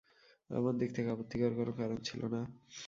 আমার দিক থেকে আপত্তির কোনো কারণ ছিল না।